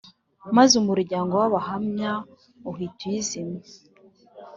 maze umuryango w Abahamya uhita uyizimya